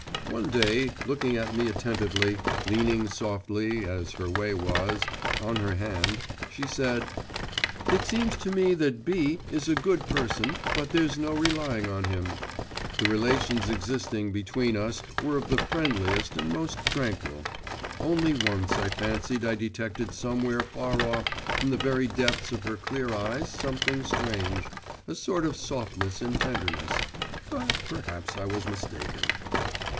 One day, looking at me attentively, leaning softly, as her way was, on her hand, she said, 'It seems to me that B. is a good person, but there's no relying on him.' The relations existing between us were of the friendliest and most tranquil; only once I fancied I detected somewhere far off in the very depths of her clear eyes something strange, a sort of softness and tenderness.… But perhaps I was mistaken.